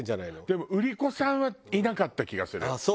でも売り子さんはいなかった気がする。